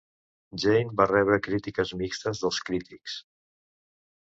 Jane va rebre crítiques mixtes dels crítics.